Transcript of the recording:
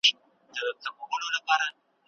که ښوونځی کلتوري ژبه وساتي، نو ایا دودونه نه هېرېږي.